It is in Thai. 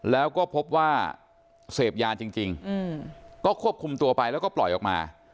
แล้วก็พบว่าเสพยาจริงก็ควบคุมตัวไปแล้วก็ปล่อยออกมา